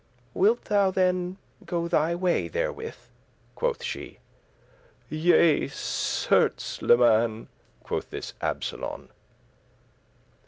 "Wilt thou then go thy way therewith?" , quoth she. "Yea, certes, leman," quoth this Absolon.